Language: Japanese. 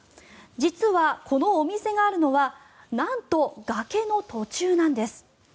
実は、このお店があるのはなんと、崖の途中なんです。